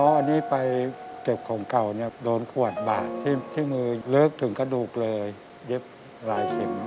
อันนี้ไปเก็บของเก่าเนี่ยโดนขวดบาดที่มือลึกถึงกระดูกเลยเย็บหลายเข็ม